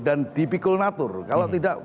dan dipikul natur kalau tidak